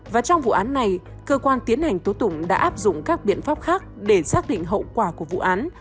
và trong vụ án này cơ quan tiến hành tố tụng đã áp dụng các biện pháp khác để xác định hậu quả của vụ án